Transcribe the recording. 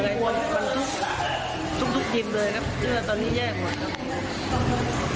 มันตุ๊กตุ๊กยึมเลยครับตอนนี้แย่หมดครับ